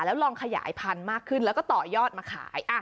แล้วลองขยายพันธุ์มากขึ้นแล้วก็ต่อยอดมาขาย